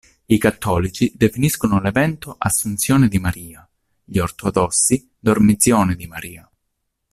I cattolici definiscono l'evento Assunzione di Maria, gli ortodossi Dormizione di Maria.